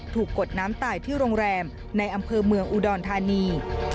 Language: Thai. กดน้ำตายที่โรงแรมในอำเภอเมืองอุดรธานี